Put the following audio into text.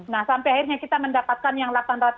nah sampai akhirnya kita mendapatkan yang delapan ratus